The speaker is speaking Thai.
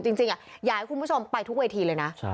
จริงอยากให้คุณผู้ชมไปทุกเวทีเลยนะ